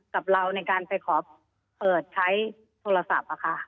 กับเราในการไปขอเปิดใช้โทรศัพท์